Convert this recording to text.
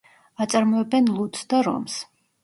აწარმოებენ ლუდს და რომს.